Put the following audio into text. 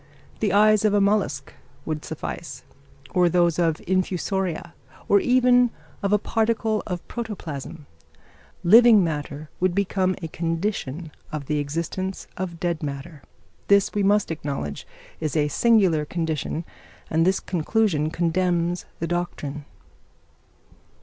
The eyes of a mollusc would suffice, or those of infusoria, or even of a particle of protoplasm: living matter would become a condition of the existence of dead matter. This, we must acknowledge, is a singular condition, and this conclusion condemns the doctrine.